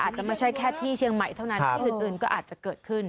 อาจจะไม่ใช่แค่ที่เชียงใหม่เท่านั้นที่อื่นก็อาจจะเกิดขึ้น